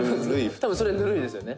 「多分、それ、ぬるいですよね」